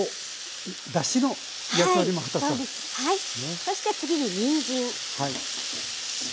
そして次ににんじん。